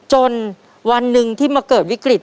จนวันหนึ่งที่มาเกิดวิกฤต